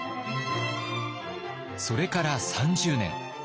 それから３０年。